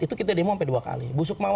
itu kita demo sampai dua kali